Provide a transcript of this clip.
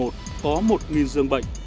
có một giường bệnh